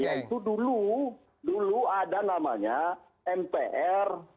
yaitu dulu dulu ada namanya mpr